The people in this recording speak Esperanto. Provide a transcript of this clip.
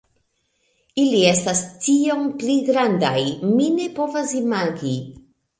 Ili estas tiom pli grandaj, mi ne povas imagi.